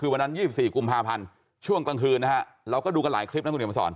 คือวันนั้น๒๔กุมภาพันธ์ช่วงกลางคืนนะฮะเราก็ดูกันหลายคลิปนะคุณเดี๋ยวมาสอน